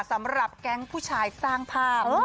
สำหรับแก๊งผู้ชายสร้างภาพ